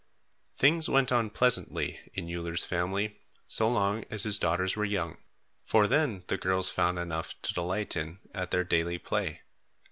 Things went on pleasantly in Uller's family so long as his daughters were young, for then the girls found enough to delight in at their daily play.